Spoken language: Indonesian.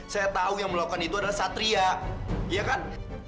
saya tahu yang melakukan itu adalah satria ya kan